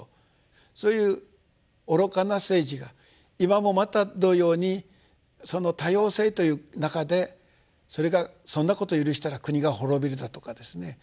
そういう愚かな政治が今もまた同様にその多様性という中でそれがそんなこと許したら国が滅びるだとかですね